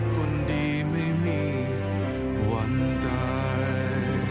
คนดีไม่มีวันใด